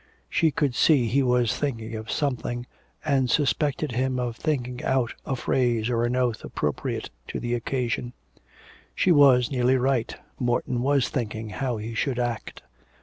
She could see he was thinking of something, and suspected him of thinking out a phrase or an oath appropriate to the occasion. She was nearly right. Morton was thinking how he should act.